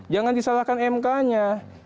jangan disalahkan mk nya